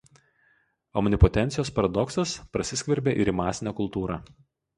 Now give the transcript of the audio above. Omnipotencijos paradoksas prasiskverbė ir į masinę kultūrą.